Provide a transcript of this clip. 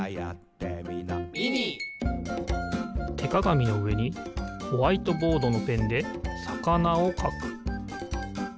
てかがみのうえにホワイトボードのペンでさかなをかく。